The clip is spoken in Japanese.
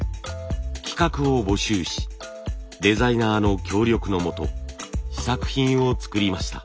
企画を募集しデザイナーの協力のもと試作品を作りました。